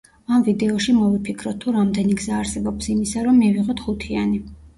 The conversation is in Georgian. ამ ვიდეოში მოვიფიქროთ, თუ რამდენი გზა არსებობს იმისა, რომ მივიღოთ ხუთიანი.